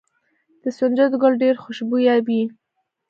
د سنجد ګل ډیر خوشبويه وي.